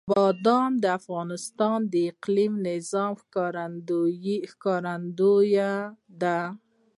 بادام د افغانستان د اقلیمي نظام ښکارندوی ده.